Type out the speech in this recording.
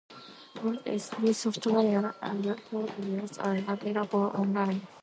Maude is free software, and tutorials are available online.